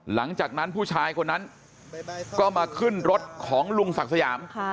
หลังจากนั้นผู้ชายคนนั้นก็มาขึ้นรถของลุงศักดิ์สยาม